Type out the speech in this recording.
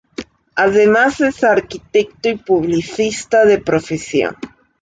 Además es arquitecto y publicista de profesión.